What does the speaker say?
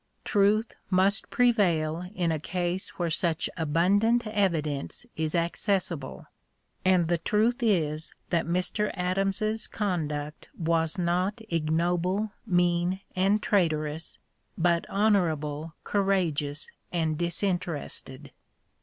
Truth must prevail in a case where such abundant evidence is accessible; and the truth is that Mr. Adams's conduct was not ignoble, mean, and traitorous, but honorable, courageous, and disinterested.